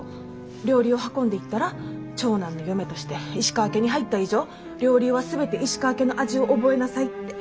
料理を運んでいったら「長男の嫁として石川家に入った以上料理は全て石川家の味を覚えなさい」って。